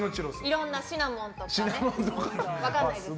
いろんなシナモンとかね分かんないですけど。